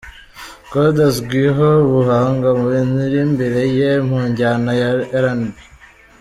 Kode azwiho ubuhanga mu miririmbire ye, mu njyana ya RnB.